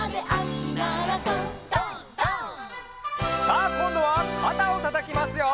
「」さあこんどはかたをたたきますよ！